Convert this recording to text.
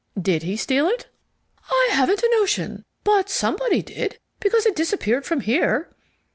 "Did he steal it?" "I haven't a notion. But somebody did, because it disappeared from here."